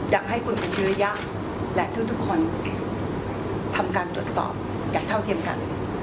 อยากให้คุณอัจฉริยะและทุกคนทำการตรวจสอบอย่างเท่าเทียมกัน